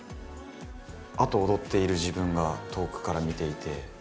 あと踊っている自分が遠くから見ていて。